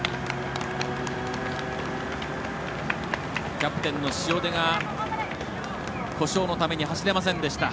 キャプテンの塩出が故障のために走れませんでした。